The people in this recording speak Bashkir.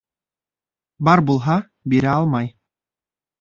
Бар булһа, бирә алмай